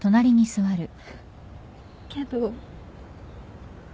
けど。